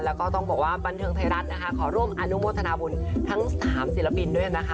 แล้วก็ต้องบอกว่าบันเทิงไทยรัฐนะคะขอร่วมอนุโมทนาบุญทั้ง๓ศิลปินด้วยนะคะ